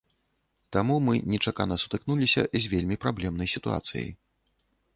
Таму мы нечакана сутыкнуліся з вельмі праблемнай сітуацыяй.